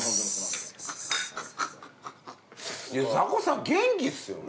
ザコシさん元気っすよね。